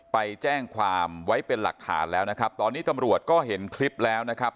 ไปแจ้งความไว้เป็นหลักฐานแล้วนะครับตอนนี้ตำรวจก็เห็นคลิปแล้วนะครับ